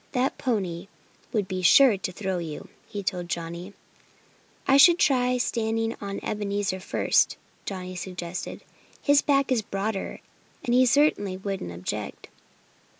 "That pony would be sure to throw you," he told Johnnie. "I could try standing on Ebenezer first," Johnnie suggested. "His back is broader. And he certainly wouldn't object."